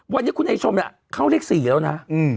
วันนี้คุณไอ้ชมเข้าเลข๔แล้วนะ